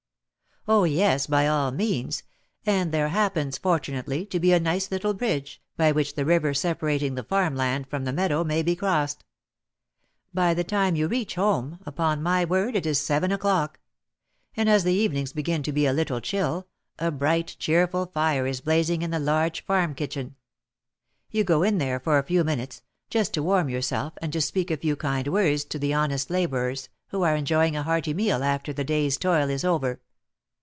"Oh, yes! by all means; and there happens, fortunately, to be a nice little bridge, by which the river separating the farm land from the meadow may be crossed. By the time you reach home, upon my word, it is seven o'clock; and, as the evenings begin to be a little chill, a bright, cheerful fire is blazing in the large farm kitchen; you go in there for a few minutes, just to warm yourself and to speak a few kind words to the honest labourers, who are enjoying a hearty meal after the day's toil is over.